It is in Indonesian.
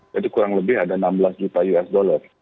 jadi kurang lebih ada enam belas juta usd